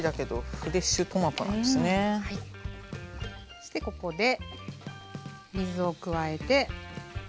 そしてここで水を加えて。